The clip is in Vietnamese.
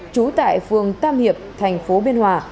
trú tại phường tam hiệp thành phố biên hòa